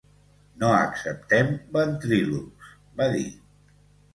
No acceptem ventrílocs, va dir.